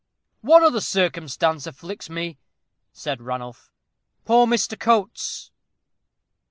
"One other circumstance afflicts me," said Ranulph. "Poor Mr. Coates!"